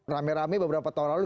rame rame beberapa tahun lalu